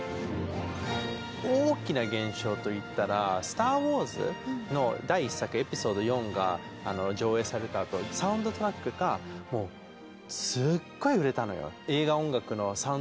大きな現象といったら「スター・ウォーズ」の第１作「エピソード４」が上映されたあとサウンドトラックがもうすっごい売れたのよ。